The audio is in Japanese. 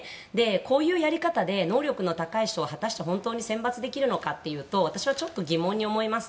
こういうやり方で能力の高い人を本当に選抜できるのかというと私は疑問に思います。